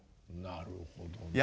なるほどね。